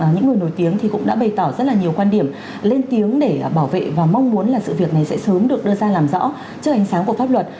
những người nổi tiếng thì cũng đã bày tỏ rất là nhiều quan điểm lên tiếng để bảo vệ và mong muốn là sự việc này sẽ sớm được đưa ra làm rõ trước ánh sáng của pháp luật